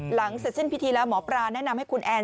หลังเศษเช่นพิธีแล้วหมอปลาแนะนำให้คุณแอน